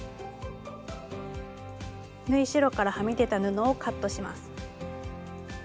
縫い代からはみ出た布をカットします。